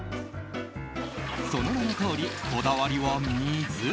その名のとおり、こだわりは水。